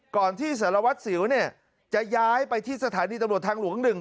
ก่อนที่สารวัตรสิวเนี่ยจะย้ายไปที่สถานีตำรวจทางหลวง๑